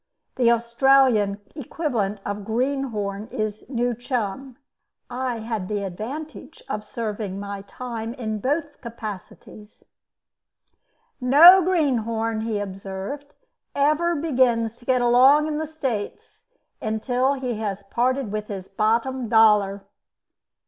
(The Australian equivalent of "greenhorn" is "new chum." I had the advantage of serving my time in both capacities). "No greenhorn," he observed, "ever begins to get along in the States until he has parted with his bottom dollar.